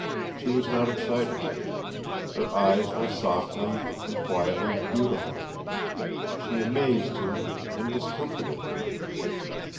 She was not excited. Her eyes were softly and quietly beautiful. She amazed him and discomfited him.